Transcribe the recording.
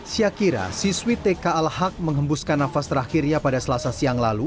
syakira siswi tk al haq menghembuskan nafas terakhirnya pada selasa siang lalu